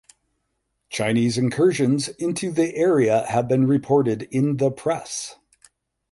Chinese incursions into the area have been reported in the press.